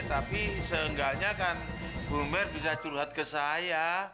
tapi seenggaknya kan bu mer bisa curhat ke saya